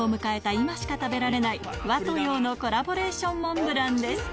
今しか食べられない和と洋のコラボレーションモンブランです